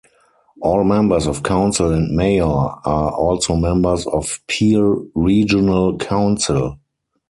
All members of council and mayor are also members of Peel Regional Council.